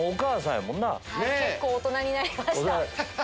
結構大人になりました。